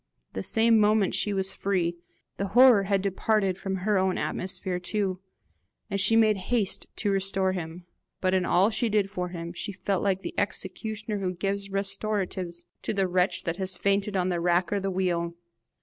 The same moment she was free; the horror had departed from her own atmosphere too, and she made haste to restore him. But in all she did for him, she felt like the executioner who gives restoratives to the wretch that has fainted on the rack or the wheel.